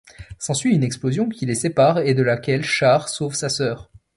S’ensuit une explosion qui les sépare et de laquelle Char sauve sa sœur.